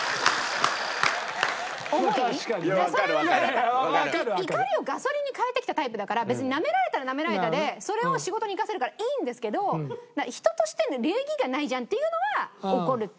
思いそれは怒りをガソリンに変えてきたタイプだから別にナメられたらナメられたでそれを仕事に生かせるからいいんですけど人としての礼儀がないじゃんっていうのは怒るっていう事。